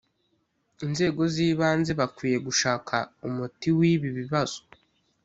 inzego z ibanze bakwiye gushaka umuti w ibi bibazo